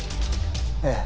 ええ